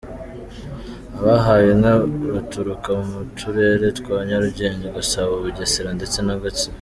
Abahawe inka baturuka mu Turere twa Nyarugenge Gasabo, Bugesera ndetse Gatsibo.